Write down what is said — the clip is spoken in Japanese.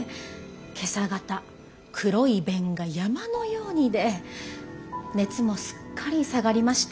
今朝方黒い便が山のように出熱もすっかり下がりまして。